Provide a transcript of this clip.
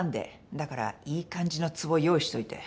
だからいい感じのつぼ用意しといて。